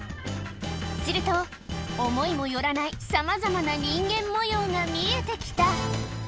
すると、思いもよらないさまざまな人間もようが見えてきた。